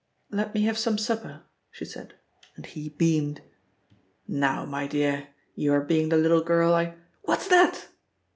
"Let me have some supper," she said, and he beamed. "Now, my dear, you are being the little girl I what's that?"